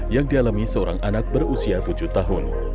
yang dialami seorang anak berusia tujuh tahun